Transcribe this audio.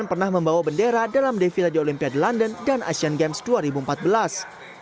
pernah membawa bendera dalam defila di olimpiade london dan asian games dua ribu empat belas